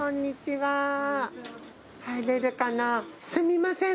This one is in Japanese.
すみません